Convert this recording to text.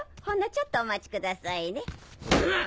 ほんのちょっとお待ちくださいね。